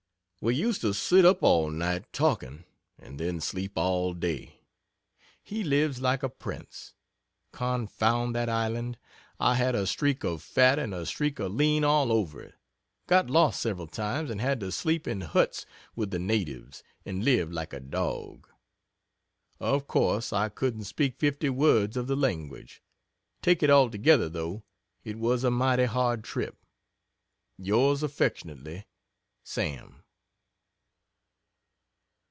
We used to sit up all night talking and then sleep all day. He lives like a Prince. Confound that Island! I had a streak of fat and a streak of lean all over it got lost several times and had to sleep in huts with the natives and live like a dog. Of course I couldn't speak fifty words of the language. Take it altogether, though, it was a mighty hard trip. Yours Affect. SAM.